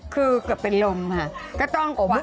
คือกับเป็นรมค่ะก็ต้องกว่า